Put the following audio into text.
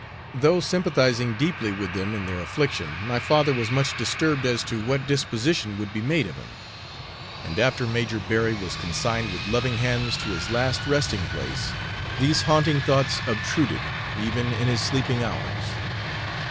Though sympathizing deeply with them in their affliction, my father was much disturbed as to what disposition would be made of him, and after Major Berry was consigned with loving hands to his last resting place, these haunting thoughts obtruded, even in his sleeping hours.